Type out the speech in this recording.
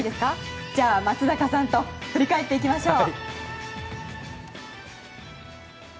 松坂さんと振り返っていきましょう。